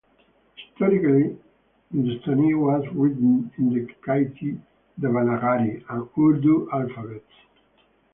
Historically, Hindustani was written in the Kaithi, Devanagari, and Urdu alphabets.